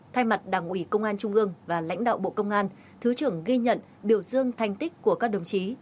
thay mặt đảng ủy công an trung ương và lãnh đạo bộ công an thứ trưởng ghi nhận biểu dương thanh tích của các đồng chí